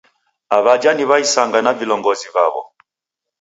Aw'ajha ni w'aisanga na vilongozi vaw'o